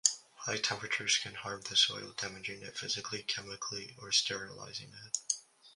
High temperatures can harm the soil, damaging it physically, chemically or sterilizing it.